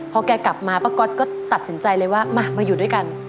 พอแกกลับมาป้าก๊อตก็ตัดสินใจเลยว่ามามาอยู่ด้วยกัน